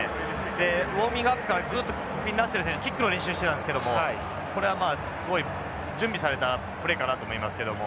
でウォーミングアップからずっとフィンラッセル選手キックの練習してたんですけどもこれはまあすごい準備されたプレーかなと思いますけども。